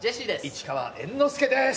市川猿之助です！